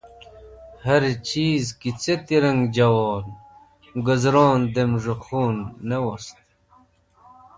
Harchizi ki ce, ti rang jawon guzaron dem z̃hũ khun ne wost.